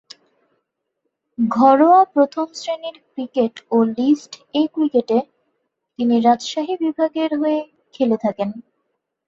ঘরোয়া প্রথম-শ্রেণীর ক্রিকেট ও লিস্ট এ ক্রিকেটে তিনি রাজশাহী বিভাগের হয়ে খেলে থাকেন।